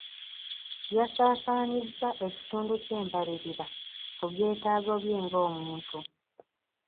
Yasaasaanyizza ekitundu ky'embalirira ku byetaago bye nga omuntu.